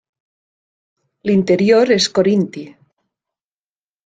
L'interior és corinti.